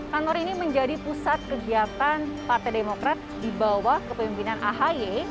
kantor ini menjadi pusat kegiatan partai demokrat di bawah kepemimpinan ahy